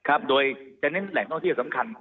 โดยจะเน้นแหล่งท่องเที่ยวสำคัญ